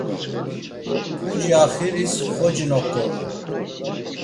Puci axiris xoci noǩorun.